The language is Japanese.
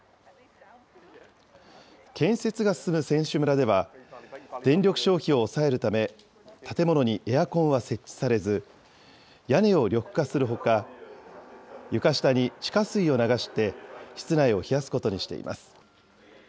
建設が進む選手村では、電力消費を抑えるため、建物にエアコンは設置されず、屋根を緑化するほか、床下に地下水を流して、室内を冷やすことにしています。